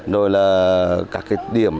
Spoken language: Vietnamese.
rồi là các điểm